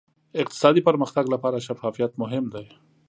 اقتصادي پرمختګ لپاره شفافیت مهم دی.